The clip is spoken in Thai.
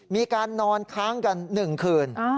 มีการนอนค้างกันหนึ่งคืน